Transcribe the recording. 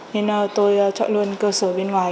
nên tôi chọn luôn cơ sở bên ngoài